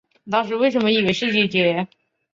三方郡为福井县的郡。